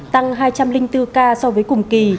tăng hai trăm linh bốn ca so với cùng kỳ